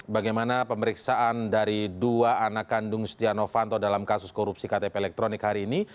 bagaimana pemeriksaan dari dua anak kandung setia novanto dalam kasus korupsi ktp elektronik hari ini